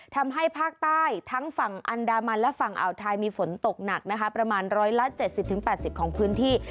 ทำให้ภาคใต้ทั้งฝั่งอันดามันและฝั่งอ่าวไทยมีฝนตกหนักนะคะประมาณ๑๗๐๘๐ของพื้นที่